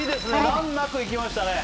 難なくいきましたね